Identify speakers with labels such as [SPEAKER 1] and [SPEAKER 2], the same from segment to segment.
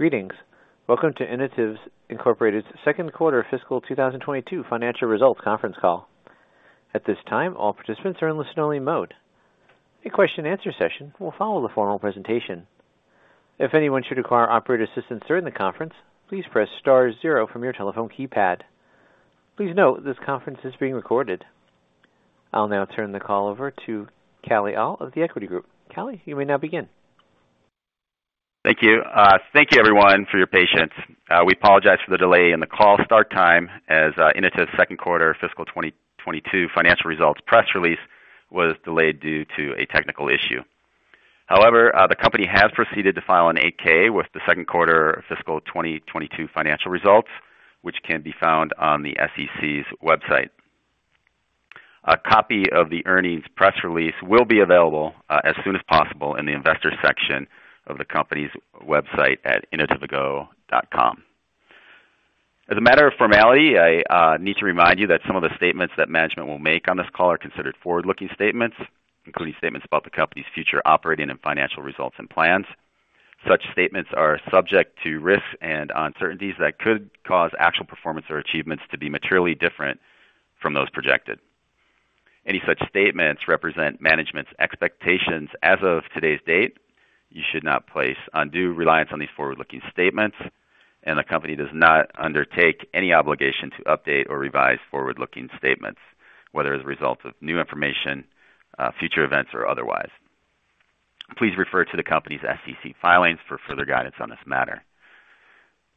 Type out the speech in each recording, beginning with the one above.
[SPEAKER 1] Greetings. Welcome to Inotiv, Inc.'s second quarter fiscal 2022 financial results conference call. At this time, all participants are in listen only mode. A question and answer session will follow the formal presentation. If anyone should require operator assistance during the conference, please press star zero from your telephone keypad. Please note this conference is being recorded. I'll now turn the call over to Kalle Ahl of The Equity Group. Kalle, you may now begin.
[SPEAKER 2] Thank you. Thank you everyone for your patience. We apologize for the delay in the call start time as Inotiv's second quarter fiscal 2022 financial results press release was delayed due to a technical issue. However, the company has proceeded to file an 8-K with the second quarter fiscal 2022 financial results, which can be found on the SEC's website. A copy of the earnings press release will be available as soon as possible in the investor section of the company's website at inotivco.com. As a matter of formality, I need to remind you that some of the statements that management will make on this call are considered forward-looking statements, including statements about the company's future operating and financial results and plans. Such statements are subject to risks and uncertainties that could cause actual performance or achievements to be materially different from those projected. Any such statements represent management's expectations as of today's date. You should not place undue reliance on these forward-looking statements, and the company does not undertake any obligation to update or revise forward-looking statements, whether as a result of new information, future events or otherwise. Please refer to the company's SEC filings for further guidance on this matter.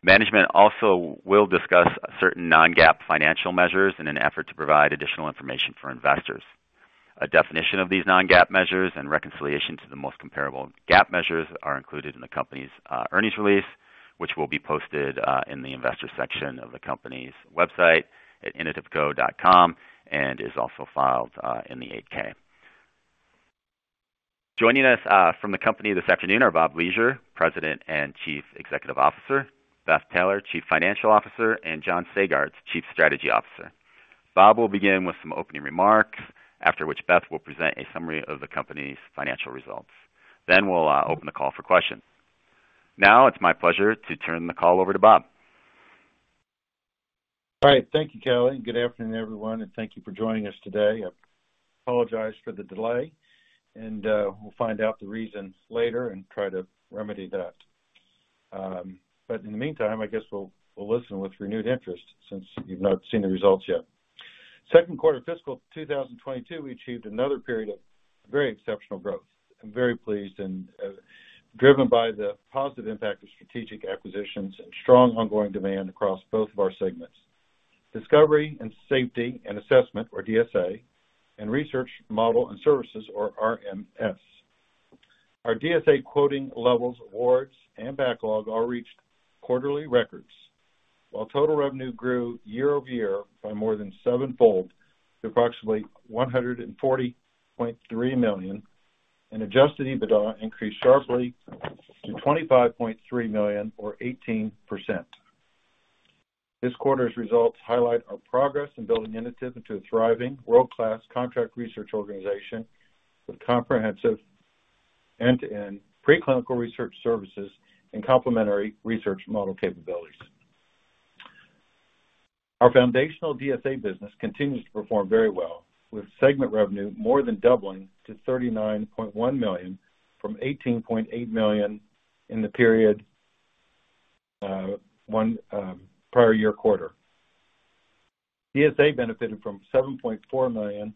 [SPEAKER 2] Management also will discuss certain non-GAAP financial measures in an effort to provide additional information for investors. A definition of these non-GAAP measures and reconciliation to the most comparable GAAP measures are included in the company's earnings release, which will be posted in the investors section of the company's website at inotivco.com and is also filed in the 8-K. Joining us from the company this afternoon are Bob Leasure, President and Chief Executive Officer, Beth Taylor, Chief Financial Officer, and John Sagartz, Chief Strategy Officer. Bob will begin with some opening remarks, after which Beth will present a summary of the company's financial results. Then we'll open the call for questions. Now it's my pleasure to turn the call over to Bob.
[SPEAKER 3] All right, thank you, Kalle. Good afternoon, everyone, and thank you for joining us today. I apologize for the delay, and we'll find out the reason later and try to remedy that. In the meantime, I guess we'll listen with renewed interest since you've not seen the results yet. Second quarter fiscal 2022, we achieved another period of very exceptional growth. I'm very pleased and driven by the positive impact of strategic acquisitions and strong ongoing demand across both of our segments, discovery and safety assessment or DSA, and research model and services or RMS. Our DSA quoting levels, awards, and backlog all reached quarterly records, while total revenue grew year-over-year by more than sevenfold to approximately $140.3 million and adjusted EBITDA increased sharply to $25.3 million or 18%. This quarter's results highlight our progress in building Inotiv into a thriving world-class contract research organization with comprehensive end-to-end preclinical research services and complementary research model capabilities. Our foundational DSA business continues to perform very well, with segment revenue more than doubling to $39.1 million from $18.8 million in the prior year quarter. DSA benefited from $7.4 million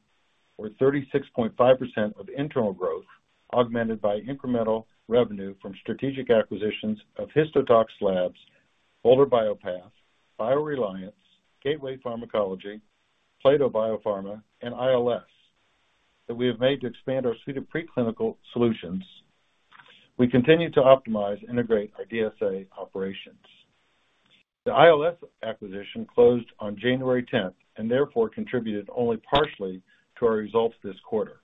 [SPEAKER 3] or 36.5% of internal growth, augmented by incremental revenue from strategic acquisitions of HistoTox Labs, Bolder BioPATH, BioReliance, Gateway Pharmacology, Plato BioPharma, and ILS that we have made to expand our suite of preclinical solutions. We continue to optimize, integrate our DSA operations. The ILS acquisition closed on January tenth and therefore contributed only partially to our results this quarter.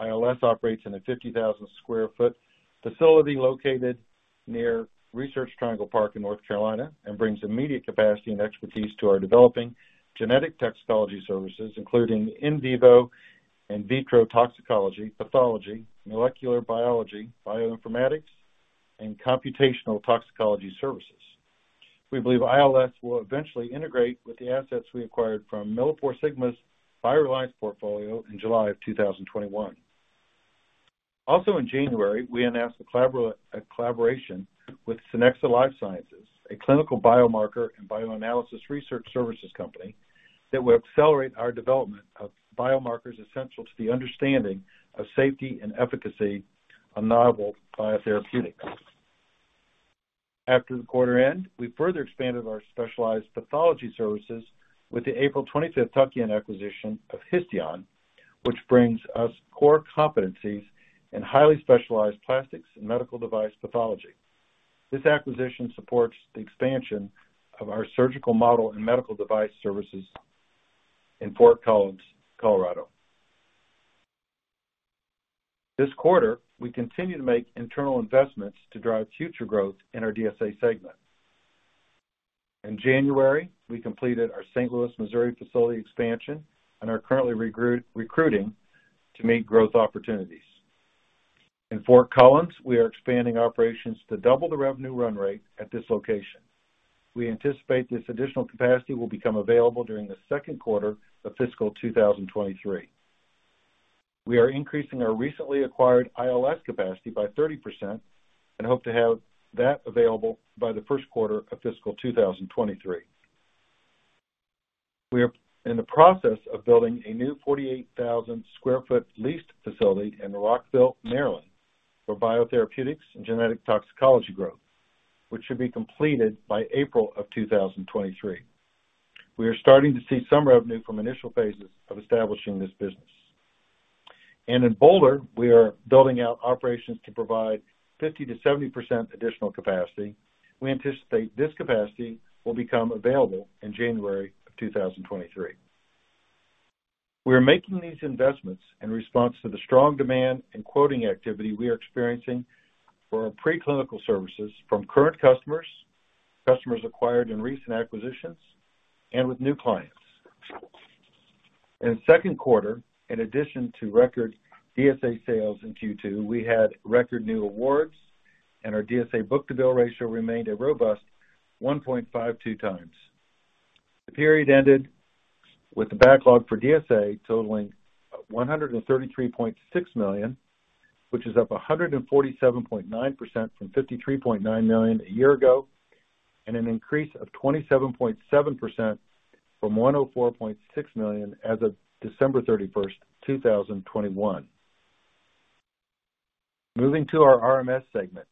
[SPEAKER 3] ILS operates in a 50,000 sq ft facility located near Research Triangle Park in North Carolina and brings immediate capacity and expertise to our developing genetic toxicology services, including in vivo and in vitro toxicology, pathology, molecular biology, bioinformatics, and computational toxicology services. We believe ILS will eventually integrate with the assets we acquired from MilliporeSigma's BioReliance portfolio in July 2021. Also in January, we announced a collaboration with Synexa Life Sciences, a clinical biomarker and bioanalysis research services company that will accelerate our development of biomarkers essential to the understanding of safety and efficacy of novel biotherapeutics. After the quarter end, we further expanded our specialized pathology services with the April 25 tuck-in acquisition of Histion, which brings us core competencies in highly specialized plastics and medical device pathology. This acquisition supports the expansion of our surgical model and medical device services in Fort Collins, Colorado. This quarter, we continue to make internal investments to drive future growth in our DSA segment. In January, we completed our St. Louis, Missouri facility expansion and are currently recruiting to meet growth opportunities. In Fort Collins, we are expanding operations to double the revenue run rate at this location. We anticipate this additional capacity will become available during the second quarter of fiscal 2023. We are increasing our recently acquired ILS capacity by 30% and hope to have that available by the first quarter of fiscal 2023. We are in the process of building a new 48,000 sq ft leased facility in Rockville, Maryland for biotherapeutics and genetic toxicology growth, which should be completed by April 2023. We are starting to see some revenue from initial phases of establishing this business. In Boulder, we are building out operations to provide 50%-70% additional capacity. We anticipate this capacity will become available in January 2023. We are making these investments in response to the strong demand and quoting activity we are experiencing for our preclinical services from current customers acquired in recent acquisitions, and with new clients. In the second quarter, in addition to record DSA sales in Q2, we had record new awards and our DSA book-to-bill ratio remained a robust 1.52 times. The period ended with the backlog for DSA totaling $133.6 million, which is up 147.9% from $53.9 million a year ago, and an increase of 27.7% from $104.6 million as of December 31, 2021. Moving to our RMS segment.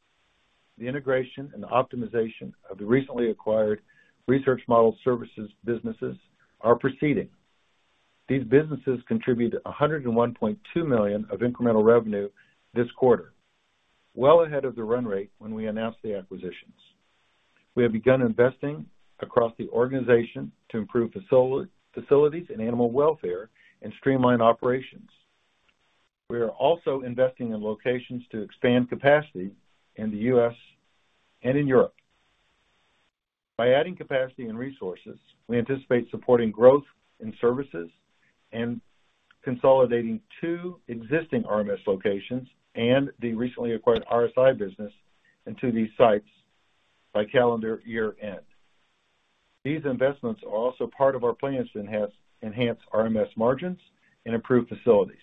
[SPEAKER 3] The integration and optimization of the recently acquired Research Model Services businesses are proceeding. These businesses contributed $101.2 million of incremental revenue this quarter, well ahead of the run rate when we announced the acquisitions. We have begun investing across the organization to improve facilities and animal welfare and streamline operations. We are also investing in locations to expand capacity in the U.S. and in Europe. By adding capacity and resources, we anticipate supporting growth in services and consolidating two existing RMS locations and the recently acquired RSI business into these sites by calendar year-end. These investments are also part of our plans to enhance RMS margins and improve facilities.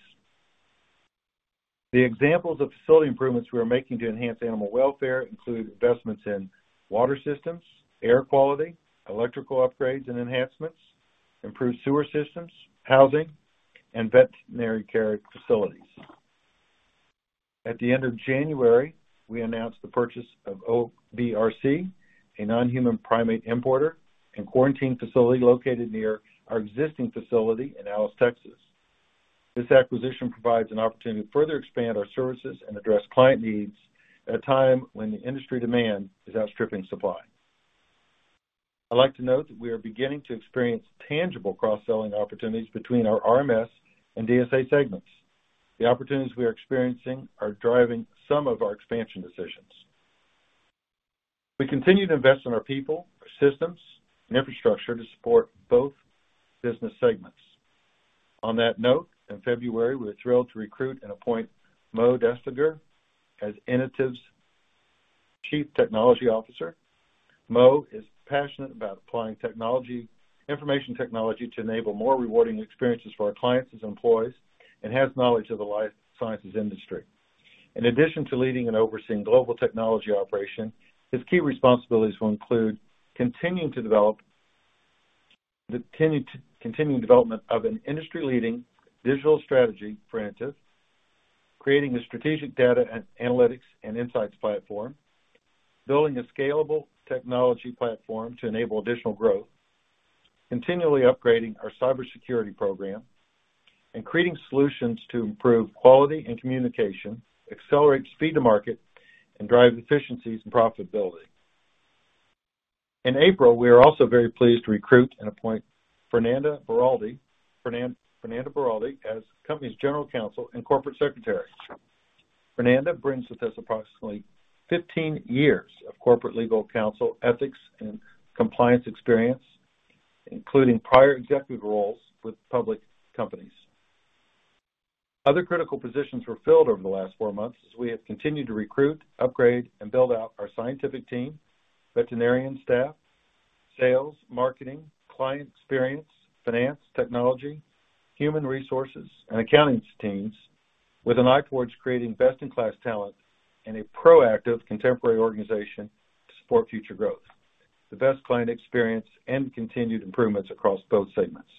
[SPEAKER 3] The examples of facility improvements we are making to enhance animal welfare include investments in water systems, air quality, electrical upgrades and enhancements, improved sewer systems, housing, and veterinary care facilities. At the end of January, we announced the purchase of OBRC, a non-human primate importer and quarantine facility located near our existing facility in Alice, Texas. This acquisition provides an opportunity to further expand our services and address client needs at a time when the industry demand is outstripping supply. I'd like to note that we are beginning to experience tangible cross-selling opportunities between our RMS and DSA segments. The opportunities we are experiencing are driving some of our expansion decisions. We continue to invest in our people, our systems, and infrastructure to support both business segments. On that note, in February, we were thrilled to recruit and appoint Mo Dastagir as Inotiv's Chief Technology Officer. Mo is passionate about applying technology, information technology to enable more rewarding experiences for our clients and employees, and has knowledge of the life sciences industry. In addition to leading and overseeing global technology operation, his key responsibilities will include continuing development of an industry-leading digital strategy for Inotiv, creating a strategic data and analytics and insights platform, building a scalable technology platform to enable additional growth, continually upgrading our cybersecurity program, and creating solutions to improve quality and communication, accelerate speed to market, and drive efficiencies and profitability. In April, we are also very pleased to recruit and appoint Fernanda Beraldi as the company's General Counsel and Corporate Secretary. Fernanda brings with us approximately 15 years of corporate legal counsel, ethics, and compliance experience, including prior executive roles with public companies. Other critical positions were filled over the last 4 months as we have continued to recruit, upgrade, and build out our scientific team, veterinarian staff, sales, marketing, client experience, finance, technology, human resources, and accounting teams with an eye towards creating best-in-class talent and a proactive contemporary organization to support future growth, the best client experience, and continued improvements across both segments.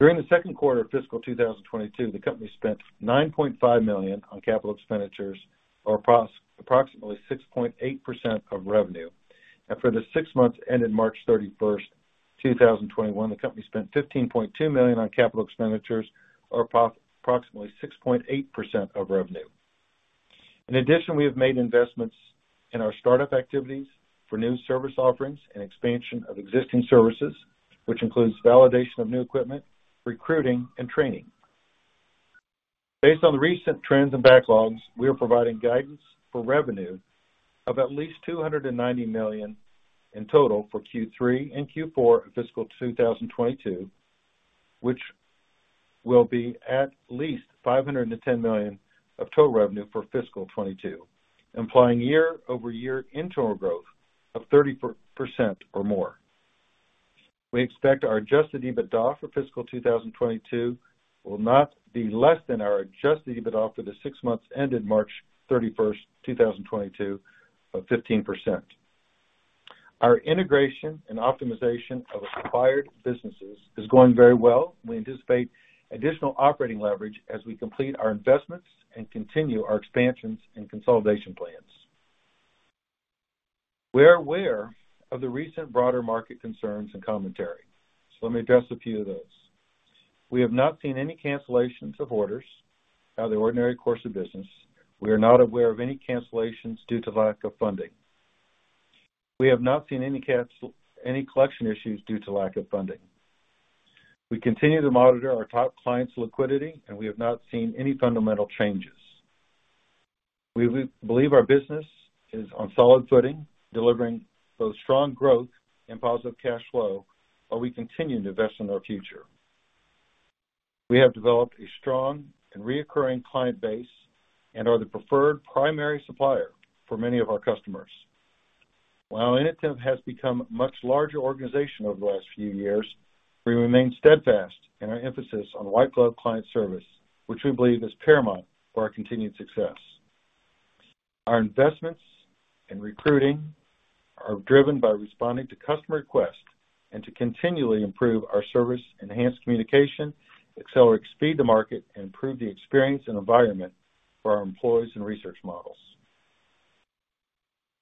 [SPEAKER 3] During the second quarter of fiscal 2022, the company spent $9.5 million on capital expenditures, or approximately 6.8% of revenue. For the 6 months ended March 31, 2021, the company spent $15.2 million on capital expenditures, or approximately 6.8% of revenue. In addition, we have made investments in our startup activities for new service offerings and expansion of existing services, which includes validation of new equipment, recruiting, and training. Based on the recent trends and backlogs, we are providing guidance for revenue of at least $290 million in total for Q3 and Q4 of fiscal 2022, which will be at least $510 million of total revenue for fiscal 2022, implying year-over-year internal growth of 30% or more. We expect our adjusted EBITDA for fiscal 2022 will not be less than our adjusted EBITDA for the six months ended March 31, 2022 of 15%. Our integration and optimization of acquired businesses is going very well. We anticipate additional operating leverage as we complete our investments and continue our expansions and consolidation plans. We are aware of the recent broader market concerns and commentary, so let me address a few of those. We have not seen any cancellations of orders out of the ordinary course of business. We are not aware of any cancellations due to lack of funding. We have not seen any collection issues due to lack of funding. We continue to monitor our top clients' liquidity, and we have not seen any fundamental changes. We believe our business is on solid footing, delivering both strong growth and positive cash flow while we continue to invest in our future. We have developed a strong and recurring client base and are the preferred primary supplier for many of our customers. While Inotiv has become a much larger organization over the last few years, we remain steadfast in our emphasis on white-glove client service, which we believe is paramount for our continued success. Our investments in recruiting are driven by responding to customer requests and to continually improve our service, enhance communication, accelerate speed to market, and improve the experience and environment for our employees and research models.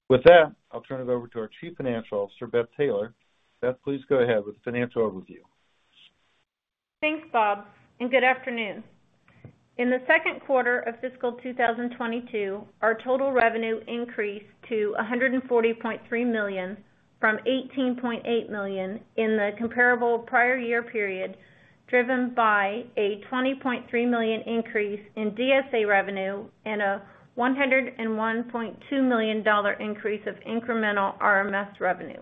[SPEAKER 3] With that, I'll turn it over to our Chief Financial Officer, Beth Taylor. Beth, please go ahead with the financial overview.
[SPEAKER 4] Thanks, Bob, and good afternoon. In the second quarter of fiscal 2022, our total revenue increased to $140.3 million from $18.8 million in the comparable prior year period, driven by a $20.3 million increase in DSA revenue and a $101.2 million increase of incremental RMS revenue.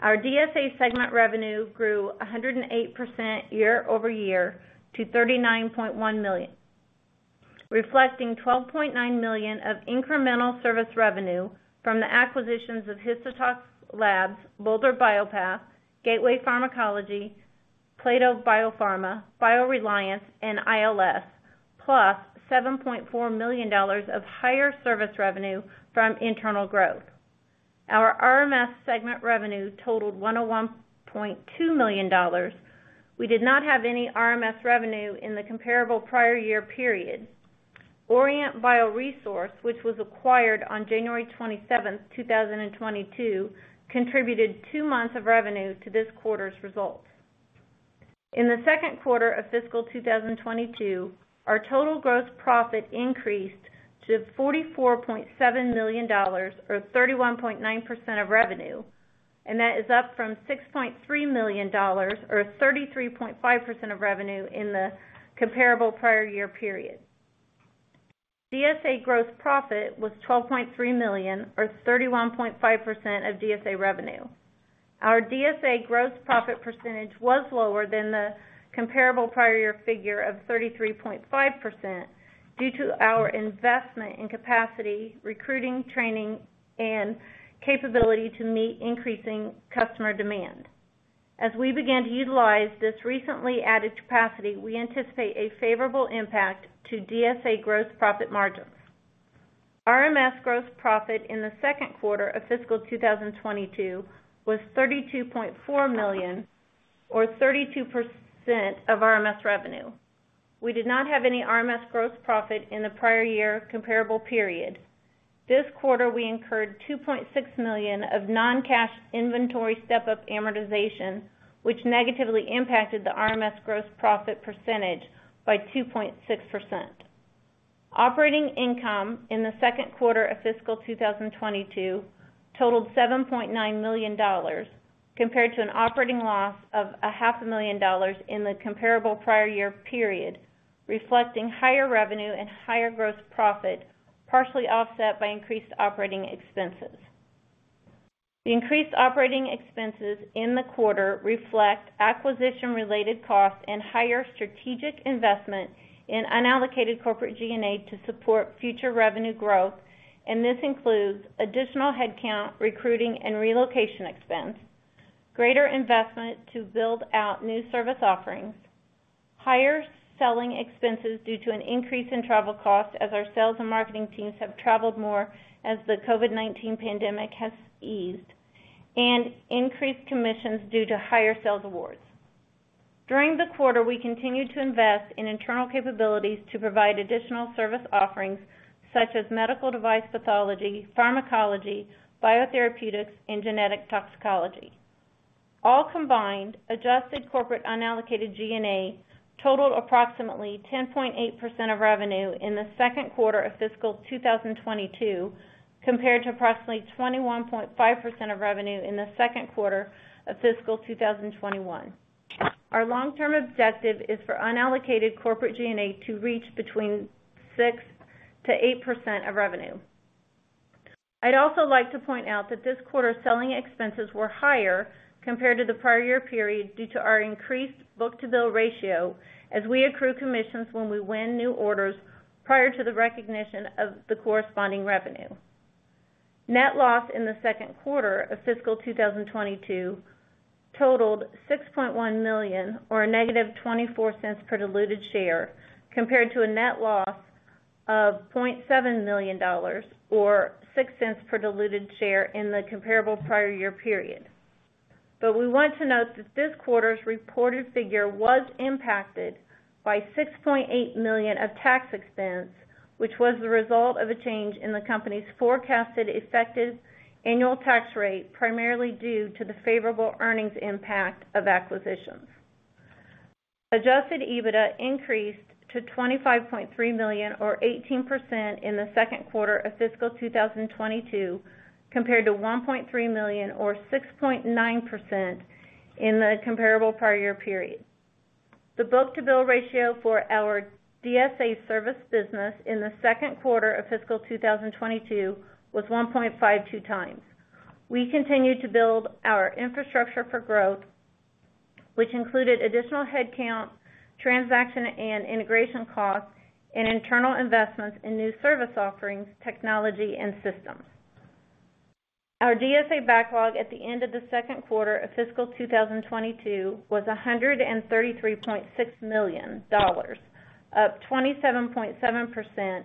[SPEAKER 4] Our DSA segment revenue grew 108% year-over-year to $39.1 million, reflecting $12.9 million of incremental service revenue from the acquisitions of HistoTox Labs, Bolder BioPATH, Gateway Pharmacology, Plato BioPharma, BioReliance, and ILS, plus $7.4 million of higher service revenue from internal growth. Our RMS segment revenue totaled $101.2 million. We did not have any RMS revenue in the comparable prior year period. Orient BioResource, which was acquired on January 27, 2022, contributed 2 months of revenue to this quarter's results. In the second quarter of fiscal 2022, our total gross profit increased to $44.7 million, or 31.9% of revenue, and that is up from $6.3 million or 33.5% of revenue in the comparable prior year period. DSA gross profit was $12.3 million or 31.5% of DSA revenue. Our DSA gross profit percentage was lower than the comparable prior year figure of 33.5% due to our investment in capacity, recruiting, training, and capability to meet increasing customer demand. As we begin to utilize this recently added capacity, we anticipate a favorable impact to DSA gross profit margins. RMS gross profit in the second quarter of fiscal 2022 was $32.4 million or 32% of RMS revenue. We did not have any RMS gross profit in the prior year comparable period. This quarter, we incurred $2.6 million of non-cash inventory step-up amortization, which negatively impacted the RMS gross profit percentage by 2.6%. Operating income in the second quarter of fiscal 2022 totaled $7.9 million, compared to an operating loss of half a million dollars in the comparable prior year period, reflecting higher revenue and higher gross profit, partially offset by increased operating expenses. The increased operating expenses in the quarter reflect acquisition-related costs and higher strategic investment in unallocated corporate G&A to support future revenue growth, and this includes additional headcount, recruiting and relocation expense, greater investment to build out new service offerings, higher selling expenses due to an increase in travel costs as our sales and marketing teams have traveled more as the COVID-19 pandemic has eased, and increased commissions due to higher sales awards. During the quarter, we continued to invest in internal capabilities to provide additional service offerings such as medical device pathology, pharmacology, biotherapeutics, and genetic toxicology. All combined, adjusted corporate unallocated G&A totaled approximately 10.8% of revenue in the second quarter of fiscal 2022, compared to approximately 21.5% of revenue in the second quarter of fiscal 2021. Our long-term objective is for unallocated corporate G&A to reach between 6%-8% of revenue. I'd also like to point out that this quarter selling expenses were higher compared to the prior year period due to our increased book-to-bill ratio as we accrue commissions when we win new orders prior to the recognition of the corresponding revenue. Net loss in the second quarter of fiscal 2022 totaled $6.1 million or -$0.24 per diluted share, compared to a net loss of $0.7 million or $0.06 per diluted share in the comparable prior year period. We want to note that this quarter's reported figure was impacted by $6.8 million of tax expense, which was the result of a change in the company's forecasted effective annual tax rate, primarily due to the favorable earnings impact of acquisitions. Adjusted EBITDA increased to $25.3 million or 18% in the second quarter of fiscal 2022, compared to $1.3 million or 6.9% in the comparable prior year period. The book-to-bill ratio for our DSA service business in the second quarter of fiscal 2022 was 1.52 times. We continued to build our infrastructure for growth, which included additional headcount, transaction and integration costs, and internal investments in new service offerings, technology and systems. Our DSA backlog at the end of the second quarter of fiscal 2022 was $133.6 million, up 27.7%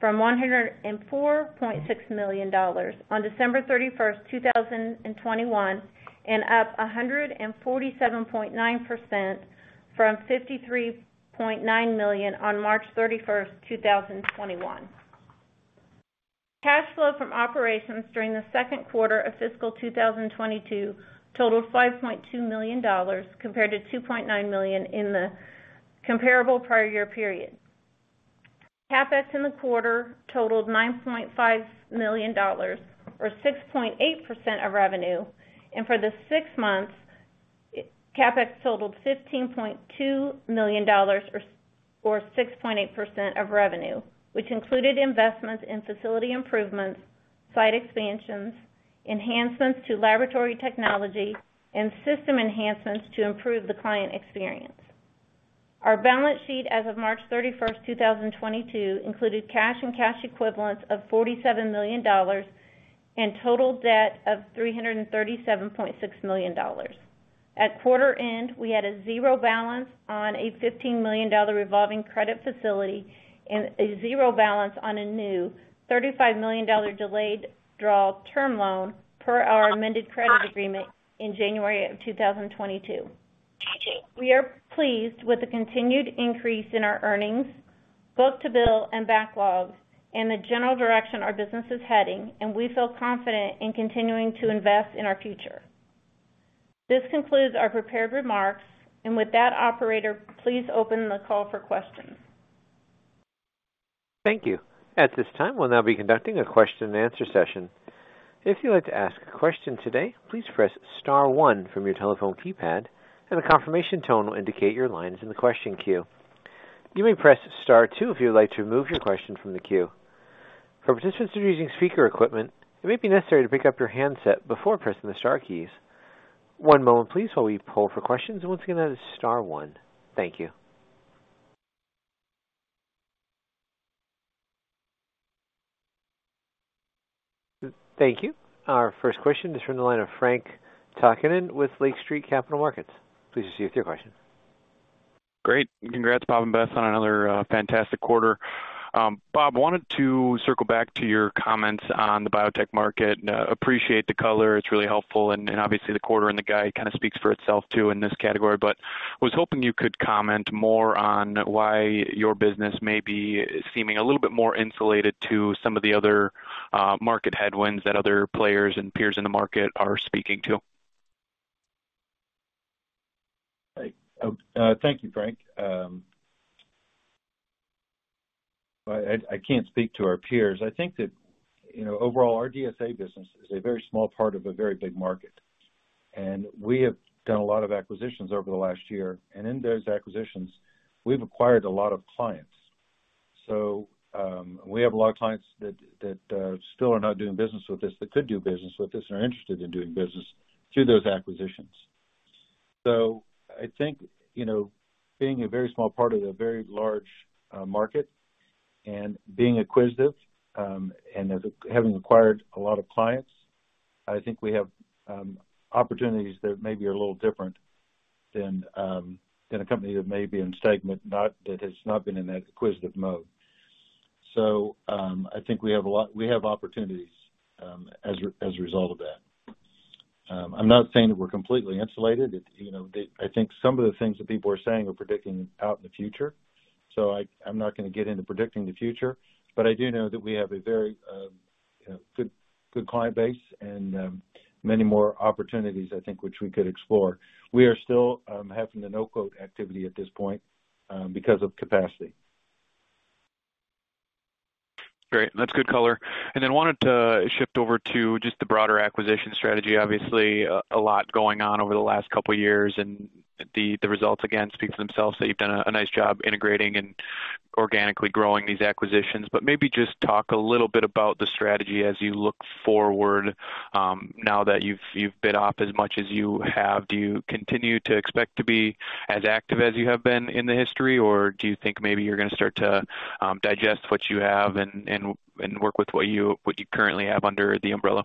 [SPEAKER 4] from $104.6 million on December 31, 2021, and up 147.9% from $53.9 million on March 31, 2021. Cash flow from operations during the second quarter of fiscal 2022 totaled $5.2 million compared to $2.9 million in the comparable prior year period. CapEx in the quarter totaled $9.5 million or 6.8% of revenue. For the six months, CapEx totaled $15.2 million or 6.8% of revenue, which included investments in facility improvements, site expansions, enhancements to laboratory technology, and system enhancements to improve the client experience. Our balance sheet as of March 31, 2022 included cash and cash equivalents of $47 million and total debt of $337.6 million. At quarter end, we had a zero balance on a $15 million revolving credit facility and a zero balance on a new $35 million delayed draw term loan per our amended credit agreement in January 2022. We are pleased with the continued increase in our earnings, book-to-bill and backlog and the general direction our business is heading, and we feel confident in continuing to invest in our future. This concludes our prepared remarks. With that, operator, please open the call for questions.
[SPEAKER 1] Thank you. At this time, we'll now be conducting a question-and-answer session. If you'd like to ask a question today, please press star one from your telephone keypad and a confirmation tone will indicate your line is in the question queue. You may press star two if you would like to remove your question from the queue. For participants who are using speaker equipment, it may be necessary to pick up your handset before pressing the star keys. One moment please while we poll for questions. Once again, that is star one. Thank you. Thank you. Our first question is from the line of Frank Takkinen with Lake Street Capital Markets. Please proceed with your question.
[SPEAKER 5] Great. Congrats, Bob and Beth, on another fantastic quarter. Bob, wanted to circle back to your comments on the biotech market. Appreciate the color. It's really helpful. Obviously the quarter and the guide kind of speaks for itself, too, in this category. Was hoping you could comment more on why your business may be seeming a little bit more insulated to some of the other market headwinds that other players and peers in the market are speaking to.
[SPEAKER 3] Thank you, Frank. I can't speak to our peers. I think that, you know, overall, our DSA business is a very small part of a very big market, and we have done a lot of acquisitions over the last year. In those acquisitions, we've acquired a lot of clients. We have a lot of clients that still are not doing business with us, that could do business with us or are interested in doing business through those acquisitions. I think, you know, being a very small part of a very large market and being acquisitive and having acquired a lot of clients, I think we have opportunities that maybe are a little different than a company that may be in stagnant, that has not been in that acquisitive mode. I think we have opportunities as a result of that. I'm not saying that we're completely insulated. You know, I think some of the things that people are saying are predictions out in the future, so I'm not gonna get into predicting the future. I do know that we have a very good client base and many more opportunities, I think, which we could explore. We are still having no-quote activity at this point because of capacity.
[SPEAKER 5] Great. That's good color. Wanted to shift over to just the broader acquisition strategy. Obviously, a lot going on over the last couple years and the results again speak for themselves that you've done a nice job integrating and organically growing these acquisitions, but maybe just talk a little bit about the strategy as you look forward, now that you've built out as much as you have. Do you continue to expect to be as active as you have been in history? Or do you think maybe you're gonna start to digest what you have and work with what you currently have under the umbrella?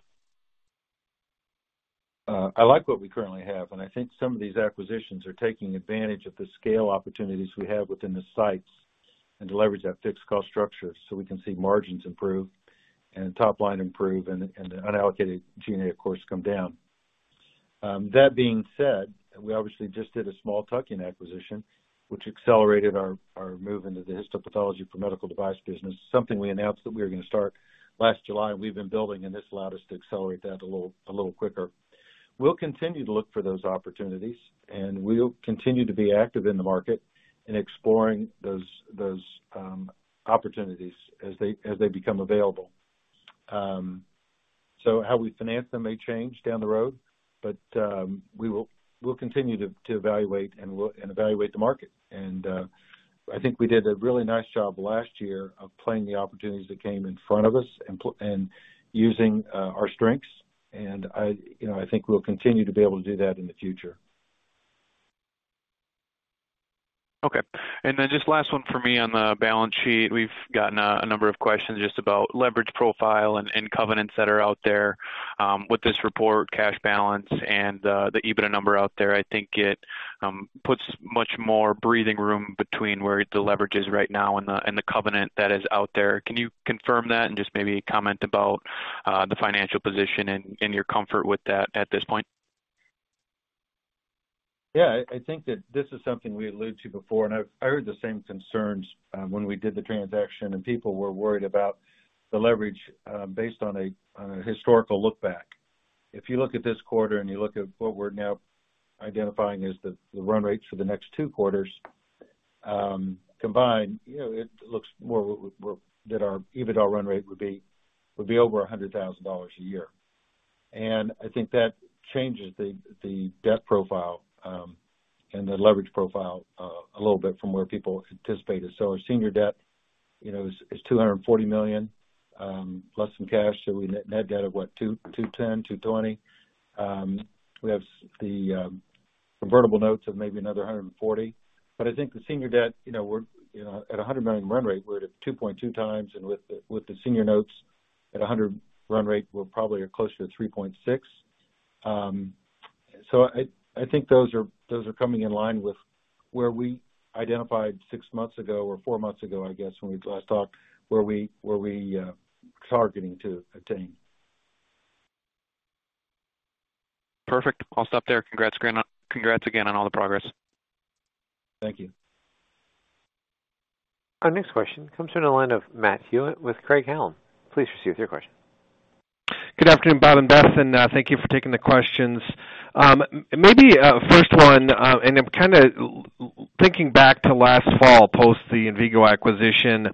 [SPEAKER 3] I like what we currently have, and I think some of these acquisitions are taking advantage of the scale opportunities we have within the sites and to leverage that fixed cost structure so we can see margins improve and top line improve and the unallocated G&A, of course, come down. That being said, we obviously just did a small tuck-in acquisition, which accelerated our move into the histopathology for medical device business, something we announced that we were gonna start last July. We've been building, and this allowed us to accelerate that a little quicker. We'll continue to look for those opportunities, and we'll continue to be active in the market in exploring those opportunities as they become available. How we finance them may change down the road, but we'll continue to evaluate and evaluate the market. I think we did a really nice job last year of playing the opportunities that came in front of us and using our strengths. I, you know, I think we'll continue to be able to do that in the future.
[SPEAKER 5] Okay. Just last one for me on the balance sheet. We've gotten a number of questions just about leverage profile and covenants that are out there with this report, cash balance and the EBITDA number out there. I think it puts much more breathing room between where the leverage is right now and the covenant that is out there. Can you confirm that and just maybe comment about the financial position and your comfort with that at this point?
[SPEAKER 3] Yeah. I think that this is something we alluded to before, and I heard the same concerns when we did the transaction and people were worried about the leverage based on a historical look back. If you look at this quarter and you look at what we're now identifying as the run rates for the next two quarters combined, you know, it looks more that our EBITDA run rate would be over $100,000 a year. I think that changes the debt profile and the leverage profile a little bit from where people anticipated. Our senior debt, you know, is $240 million plus some cash. We net debt of what? $210, $220. We have the convertible notes of maybe another $140. I think the senior debt, you know, we're at a $100 million run rate, we're at a 2.2x. With the senior notes at a $100 million run rate, we're probably closer to 3.6x. I think those are coming in line with where we identified 6 months ago or 4 months ago, I guess, when we last talked, where we're targeting to attain.
[SPEAKER 5] Perfect. I'll stop there. Congrats again on all the progress.
[SPEAKER 3] Thank you.
[SPEAKER 1] Our next question comes from the line of Matt Hewitt with Craig-Hallum. Please proceed with your question.
[SPEAKER 6] Good afternoon, Bob and Beth, and thank you for taking the questions. Maybe first one, and I'm thinking back to last fall post the Envigo acquisition.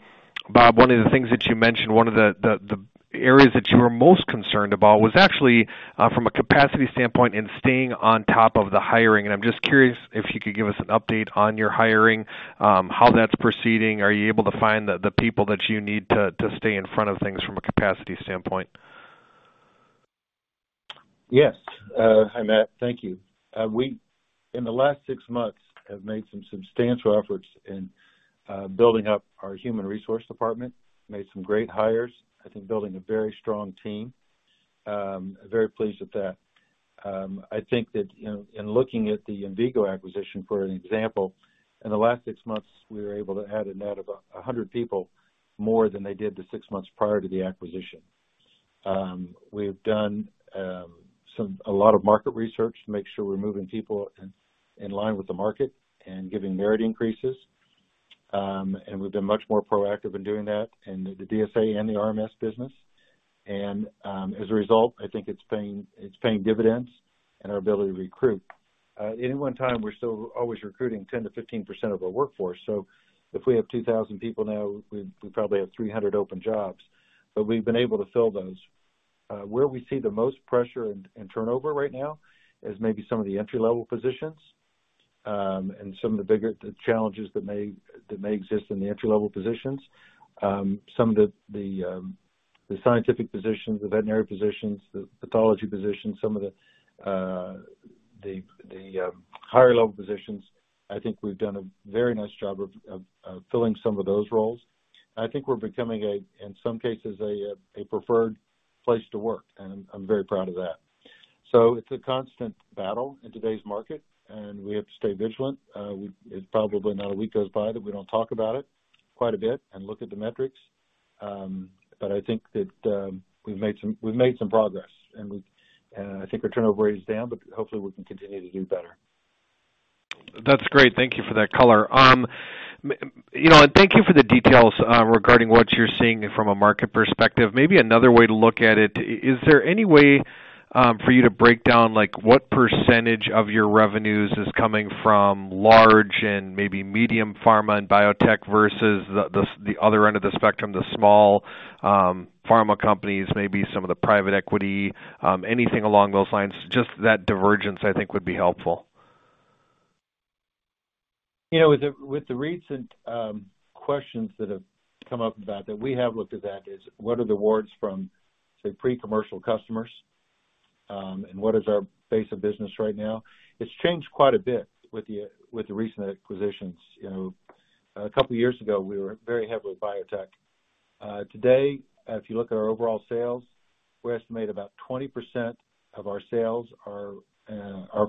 [SPEAKER 6] Bob, one of the things that you mentioned, one of the areas that you were most concerned about was actually from a capacity standpoint and staying on top of the hiring. I'm just curious if you could give us an update on your hiring, how that's proceeding. Are you able to find the people that you need to stay in front of things from a capacity standpoint?
[SPEAKER 3] Yes. Hi, Matt. Thank you. We in the last 6 months have made some substantial efforts in building up our human resource department, made some great hires. I think building a very strong team. Very pleased with that. I think that, you know, in looking at the Envigo acquisition, for an example, in the last 6 months, we were able to add a net of 100 people more than they did the 6 months prior to the acquisition. We've done a lot of market research to make sure we're moving people in line with the market and giving merit increases. We've been much more proactive in doing that in the DSA and the RMS business. As a result, I think it's paying dividends in our ability to recruit. At any one time, we're still always recruiting 10%-15% of our workforce. If we have 2,000 people now, we probably have 300 open jobs, but we've been able to fill those. Where we see the most pressure and turnover right now is maybe some of the entry-level positions, and some of the bigger challenges that may exist in the entry-level positions. Some of the scientific positions, the veterinary positions, the pathology positions, some of the higher level positions. I think we've done a very nice job of filling some of those roles. I think we're becoming, in some cases, a preferred place to work, and I'm very proud of that. It's a constant battle in today's market, and we have to stay vigilant. There's probably not a week goes by that we don't talk about it quite a bit and look at the metrics. I think that we've made some progress, and I think our turnover rate is down, but hopefully we can continue to do better.
[SPEAKER 6] That's great. Thank you for that color. You know, and thank you for the details regarding what you're seeing from a market perspective. Maybe another way to look at it, is there any way for you to break down, like what percentage of your revenues is coming from large and maybe medium pharma and biotech versus the other end of the spectrum, the small pharma companies, maybe some of the private equity, anything along those lines? Just that divergence, I think, would be helpful.
[SPEAKER 3] You know, with the recent questions that have come up about that, we have looked at that. What are the awards from, say, pre-commercial customers, and what is our base of business right now? It's changed quite a bit with the recent acquisitions. You know, a couple of years ago, we were very heavily biotech. Today, if you look at our overall sales, we estimate about 20% of our sales are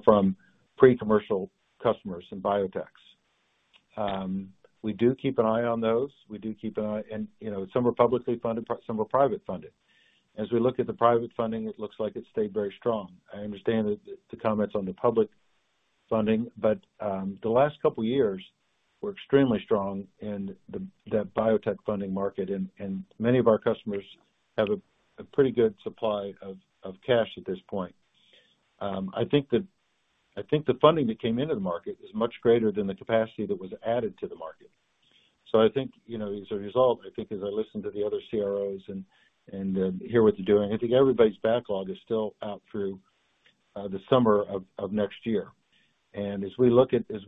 [SPEAKER 3] from pre-commercial customers and biotechs. We do keep an eye on those. You know, some are publicly funded, some are privately funded. As we look at the private funding, it looks like it stayed very strong. I understand that the comments on the public funding. The last couple of years were extremely strong in that biotech funding market, and many of our customers have a pretty good supply of cash at this point. I think the funding that came into the market is much greater than the capacity that was added to the market. I think, you know, as a result, I think as I listen to the other CROs and hear what they're doing, I think everybody's backlog is still out through the summer of next year. As we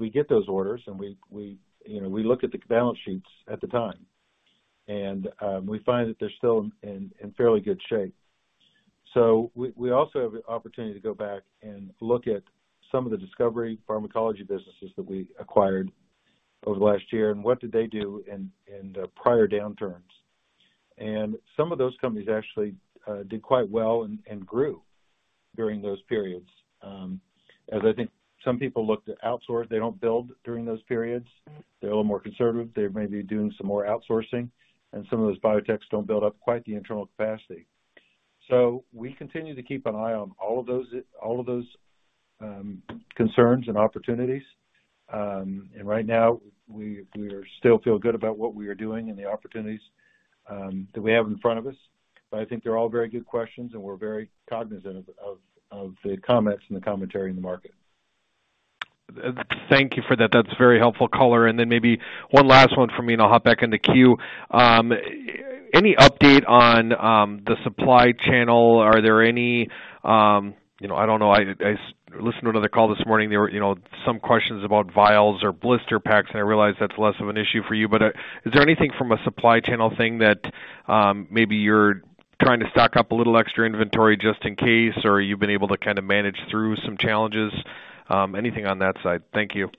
[SPEAKER 3] get those orders and we, you know, we look at the balance sheets at the time and we find that they're still in fairly good shape. We also have an opportunity to go back and look at some of the discovery pharmacology businesses that we acquired over the last year and what did they do in the prior downturns. Some of those companies actually did quite well and grew during those periods. As I think some people look to outsource, they don't build during those periods. They're a little more conservative. They may be doing some more outsourcing, and some of those biotechs don't build up quite the internal capacity. We continue to keep an eye on all of those concerns and opportunities. Right now, we still feel good about what we are doing and the opportunities that we have in front of us. I think they're all very good questions, and we're very cognizant of the comments and the commentary in the market.
[SPEAKER 6] Thank you for that. That's a very helpful color. Then maybe one last one for me and I'll hop back in the queue. Any update on the supply chain? Are there any, you know, I don't know. I listened to another call this morning. There were, you know, some questions about vials or blister packs, and I realize that's less of an issue for you. Is there anything from a supply chain thing that maybe you're trying to stock up a little extra inventory just in case, or you've been able to kinda manage through some challenges? Anything on that side? Thank you.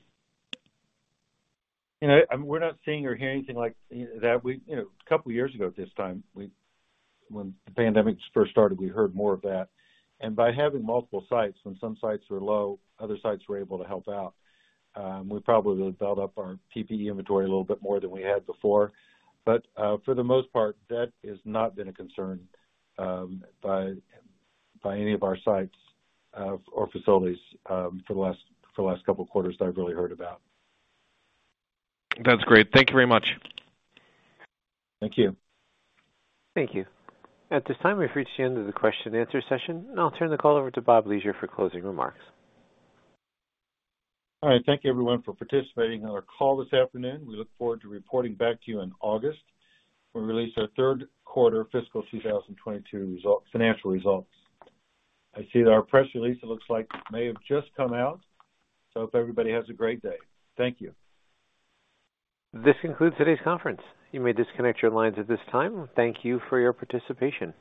[SPEAKER 3] You know, we're not seeing or hearing anything like that. We, you know, a couple of years ago at this time, when the pandemic first started, we heard more of that. By having multiple sites, when some sites were low, other sites were able to help out. We probably built up our PPE inventory a little bit more than we had before, but for the most part, that has not been a concern by any of our sites or facilities for the last couple of quarters that I've really heard about.
[SPEAKER 6] That's great. Thank you very much.
[SPEAKER 3] Thank you.
[SPEAKER 1] Thank you. At this time, we've reached the end of the question and answer session. I'll turn the call over to Bob Leasure for closing remarks.
[SPEAKER 3] All right. Thank you, everyone, for participating in our call this afternoon. We look forward to reporting back to you in August when we release our third quarter fiscal 2022 results, financial results. I see that our press release. It looks like it may have just come out, so I hope everybody has a great day. Thank you.
[SPEAKER 1] This concludes today's conference. You may disconnect your lines at this time. Thank you for your participation.